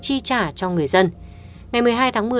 chi trả cho người dân ngày một mươi hai tháng một mươi